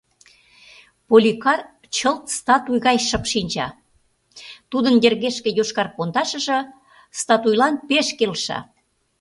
Поликар чылт статуй гай шып шинча, тудын йыргешке йошкар пондашыже статуйлан пеш келша.